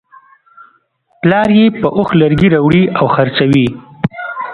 پلار یې په اوښ لرګي راوړي او خرڅوي.